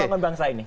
membangun bangsa ini